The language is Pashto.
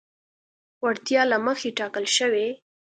وړتیا له مخې ټاکل شوي.